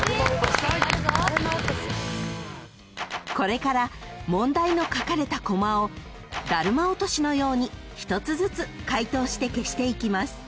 ［これから問題の書かれたコマをダルマ落としのように１つずつ解答して消していきます］